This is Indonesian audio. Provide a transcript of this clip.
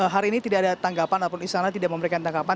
hari ini tidak ada tanggapan ataupun istana tidak memberikan tanggapan